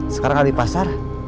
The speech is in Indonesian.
sekarang ada di pasar